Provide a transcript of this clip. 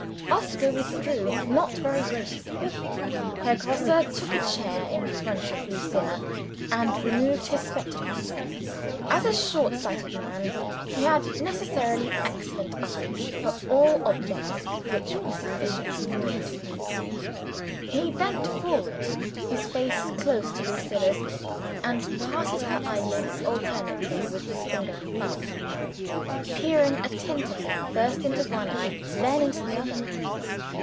Oscar withdrew not very graciously. Herr Grosse took a chair in front of Lucilla, and removed his spectacles. As a short sighted man, he had necessarily excellent eyes for all objects which were sufficiently near to him. He bent forward, with his face close to Lucilla's, and parted her eyelids alternately with his finger and thumb; peering attentively, first into one eye, then into the other.